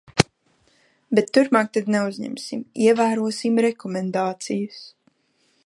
Bet turpmāk tad neuzņemsim, ievērosim rekomendācijas.